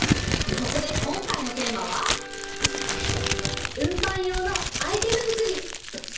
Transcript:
そこで今回のテーマは、運搬用のアイテム作り。